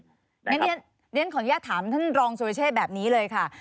ดิฉันขออนุญาตถามท่านรองสุรเชษฐ์แบบนี้เลยค่ะ